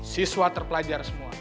siswa terpelajar semua